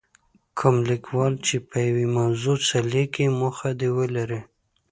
کوم لیکوال چې په یوې موضوع څه لیکي موخه دې ولري.